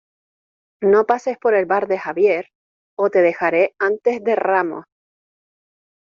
No pases por el bar de Javier o te dejaré antes de Ramos.